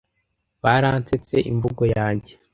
Baransetse imvugo yanjye.